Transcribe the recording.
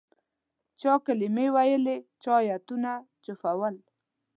چا کلمې ویلې چا آیتونه چوفول.